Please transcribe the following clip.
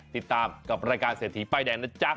ติดตามกับรายการเศรษฐีป้ายแดงนะจ๊ะ